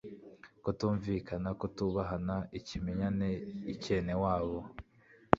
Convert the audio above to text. kutumvikana, kutubahana, ikimenyane, icyenewabo